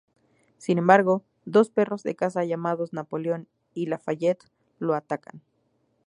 Sin embargo, dos perros de caza llamados Napoleón y Lafayette lo atacan.